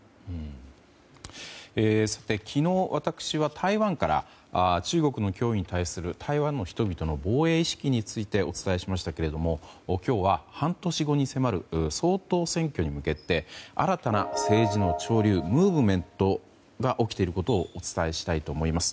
昨日、私は台湾から中国の脅威に対する台湾の人々の防衛意識についてお伝えしましたけども今日は半年後に迫る総統選挙に向けて新たな政治の潮流ムーブメントが起きていることをお伝えしたいと思います。